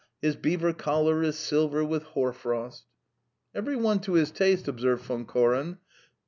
'His beaver collar is silver with hoar frost.'" "Every one to his taste," observed Von Koren.